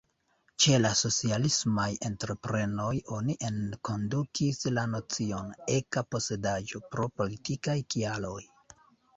Ĉe la socialismaj entreprenoj oni enkondukis la nocion „eka posedaĵo” pro politikaj kialoj.